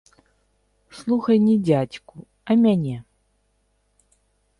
Слухай не дзядзьку, а мяне.